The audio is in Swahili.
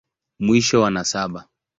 Mwisho wa nasaba.